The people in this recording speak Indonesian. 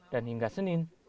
dan hingga senin